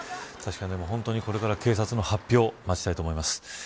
確かに本当に、これから警察の発表を待ちたいと思います。